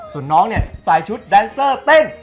ส่วนน้องเนี่ยใส่ชุดแดนเซอร์เต้น